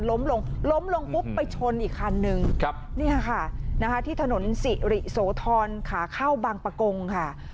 ล้มลงล้มลงปุ๊บไปชนอีกคันนึงเนี่ยค่ะที่ถนนสิริโสธรขาเข้าบางประกงค่ะ